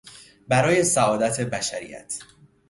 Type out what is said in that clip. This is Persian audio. برای سعادت بشریت